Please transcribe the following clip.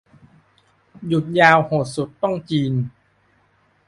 หยุดยาวโหดสุดต้องจีน